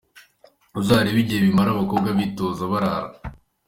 Uzarebe igihe bimara abakobwa bitoza, barara.